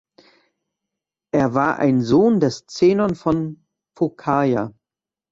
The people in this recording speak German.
Er war ein Sohn des Zenon von Phokaia.